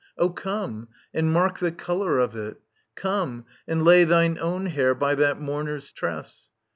O come, and mark the colour of it. Come And lay thine own hair by that mourner's tress